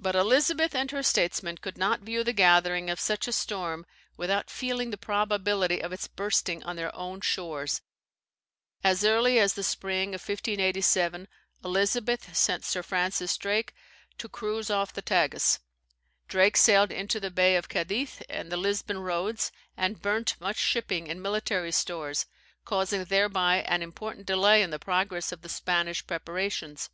But Elizabeth and her statesmen could not view the gathering of such a storm without feeling the probability of its bursting on their own shores. As early as the spring of 1587, Elizabeth sent Sir Francis Drake to cruise off the Tagus. Drake sailed into the Bay of Cadiz and the Lisbon Roads, and burnt much shipping and military stores, causing thereby an important delay in the progress of the Spanish preparations.